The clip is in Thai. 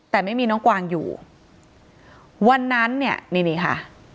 แต่ไม่มีน้องกวางอยู่วันนั้นเนี่ยนี่นี่ค่ะ